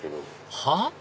はっ？